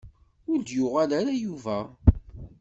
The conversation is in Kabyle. Ur d-yuɣal ara Yuba.